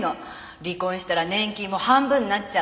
「離婚したら年金も半分になっちゃう」